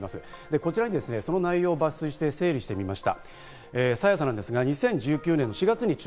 こちらにその内容を抜粋して整理してみました。